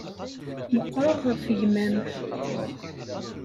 Meqqṛeɣ ɣef gma-m.